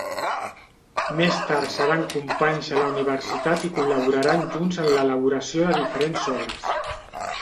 Més tard seran company a la universitat i col·laboraran junts en l'elaboració de diferents obres.